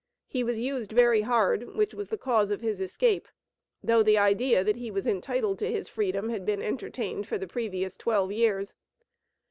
He was used very hard, which was the cause of his escape, though the idea that he was entitled to his freedom had been entertained for the previous twelve years.